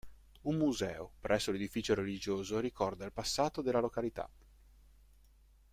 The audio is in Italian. Un museo, presso l'edificio religioso ricorda il passato della località.